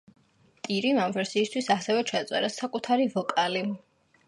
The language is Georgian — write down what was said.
ტორიმ ამ ვერსიისთვის ასევე ჩაწერა საკუთარი ვოკალი.